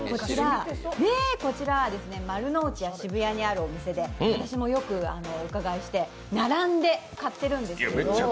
こちらは、丸の内や渋谷にあるお店で私もよくお伺いして、並んで買ってるんです。